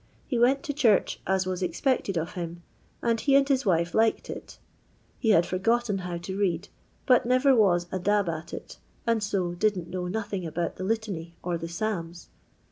Ho went to church, as was expected of him, and he and his wife liked it. He had forgotten ho w to read, but never was " a dab at it," and so "didn't know nothing about the litany or the psalms."